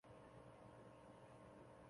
公司生产的产品